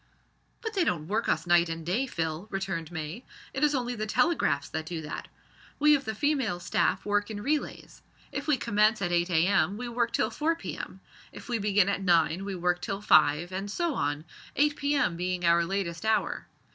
"But they don't work us night and day, Phil," returned May, "it is only the telegraphs that do that. We of the female staff work in relays. If we commence at 8 a.m. we work till 4 p.m. If we begin at nine we work till five, and so on eight p.m. being our latest hour.